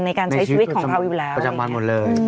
ในการใช้ชีวิตของเราอยู่แล้วประจำวันหมดเลย